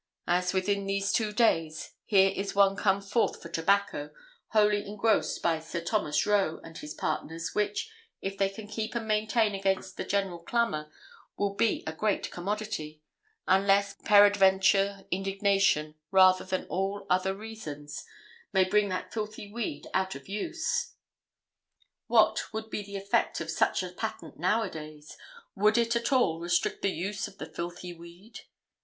As, within these two days, here is one come forth for tobacco, wholly engrossed by Sir Thomas Roe and his partners, which, if they can keep and maintain against the general clamour, will be a great commodity; unless, peradventure, indignation, rather than all other reasons, may bring that filthy weed out of use." [What, would be the effect of such a patent now a days? Would it, at all, restrict the use of the "filthy weed?"